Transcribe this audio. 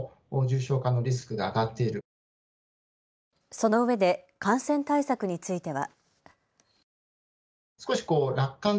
そのうえで感染対策については。